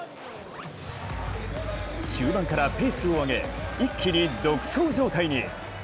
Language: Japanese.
中盤からペースを上げ一気に独走状態に。